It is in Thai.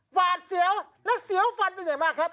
หวาดเสียวและเสียวฟันเป็นอย่างมากครับ